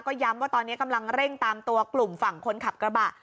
ก็ย้ำว่าตอนนี้กำลังเร่งตามตัวกลุ่มฝั่งคนขับกระบะ